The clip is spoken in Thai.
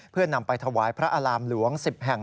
เพื่อนำไปถวายพระอารามหลวง๑๐แห่ง